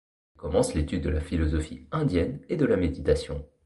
Elle commence l'étude de la philosophie indienne et de la méditation.